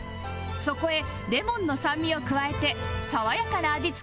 そこへレモンの酸味を加えて爽やかな味付けに